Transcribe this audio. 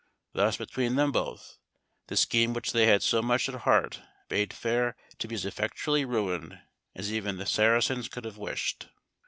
Thus between them both, the scheme which they had so much at heart bade fair to be as effectually ruined as even the Saracens could have wished.